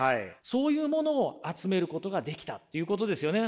そういうものを集めることができたということですよね。